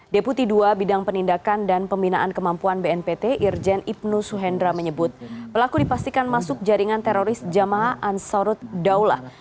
deputi dua bidang penindakan dan pembinaan kemampuan bnpt irjen ibnu suhendra menyebut pelaku dipastikan masuk jaringan teroris jamaah ansarut daulah